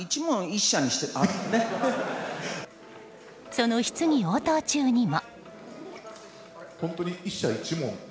その質疑応答中にも。